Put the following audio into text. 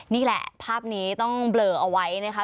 นี่แหละภาพนี้ต้องเบลอเอาไว้นะคะ